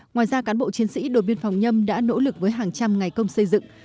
ngoài ra cán bộ chiến sĩ đồn biên phòng nhâm đã nỗ lực với hàng trăm ngày công xây dựng